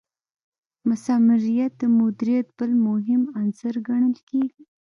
مثمریت د مدیریت بل مهم عنصر ګڼل کیږي.